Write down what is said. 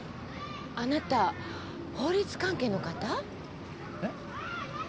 あなた法律関係の方？えっ？